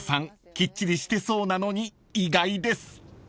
きっちりしてそうなのに意外です］